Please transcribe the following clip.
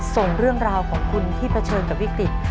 ส่งเรื่องราวของคุณที่เผชิญกับวิกฤต